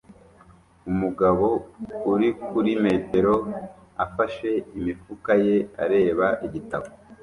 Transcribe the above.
Umugabo uri kuri metero afashe imifuka ye areba igitabo